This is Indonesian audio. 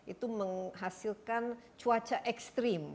itu menghasilkan cuaca ekstrim